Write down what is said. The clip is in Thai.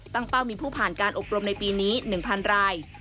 เป้ามีผู้ผ่านการอบรมในปีนี้๑๐๐ราย